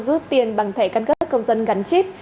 vừa rút tiền bằng thẻ căn cấp công dân gắn chip